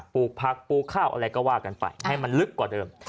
ปลูกผักปลูกข้าวอะไรก็ว่ากันไปให้มันลึกกว่าเดิม